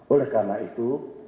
oleh karena itu